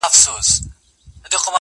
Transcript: یار راوړی له سپوږمۍ ګل د سوما دی,